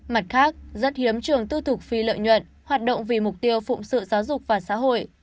mặt khác rất hiếm trường tư thục phi lợi nhuận hoạt động vì mục tiêu phụng sự giáo dục và xã hội